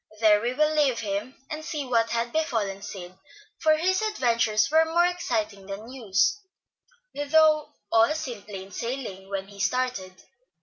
There we will leave him, and see what had befallen Sid; for his adventures were more exciting than Hugh's, though all seemed plain sailing when he started.